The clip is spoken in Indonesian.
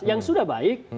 yang sudah baik